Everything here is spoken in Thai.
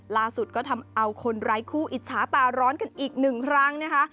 ล่าสุดก็ทำเอาคนไร้คู่อิจฉาตาร้อนกันอีกหนึ่งครั้งนะคะ